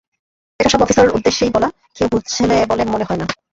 এটা সব অফিসার উদ্দেশ্যই বলা, কেউ বুঝেল বলে মনে হয় না।